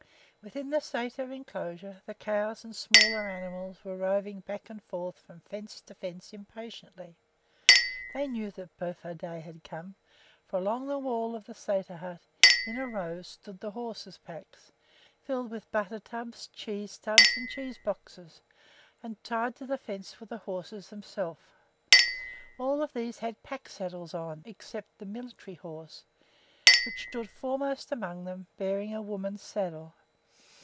Within the sæter inclosure the cows and smaller animals were roving back and forth from fence to fence impatiently. They knew that Bufar day had come, for along the wall of the sæter hut, in a row, stood the horses' packs, filled with butter tubs, cheese tubs, and cheese boxes; and tied to the fence were the horses themselves. All of these had pack saddles on, except the military horse, which stood foremost among them, bearing a woman's saddle.